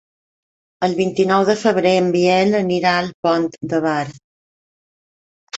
El vint-i-nou de febrer en Biel anirà al Pont de Bar.